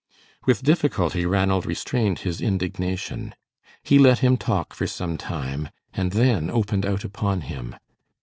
With difficulty Ranald restrained his indignation. He let him talk for some time and then opened out upon him.